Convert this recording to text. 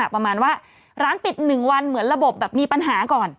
ประมาณว่าร้านปิด๑วันเหมือนระบบแบบมีปัญหาก่อน